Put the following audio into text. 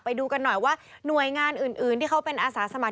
ไปดูกันหน่อยว่าหน่วยงานอื่นที่เขาเป็นอาสาสมัค